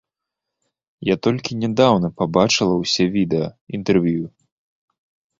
Я толькі нядаўна пабачыла ўсе відэа, інтэрв'ю.